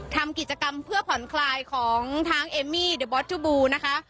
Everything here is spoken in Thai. ทำกิจกรรมเพื่อผ่อนคลายของทางเอมมี่เดอร์บอสจูบูนะคะ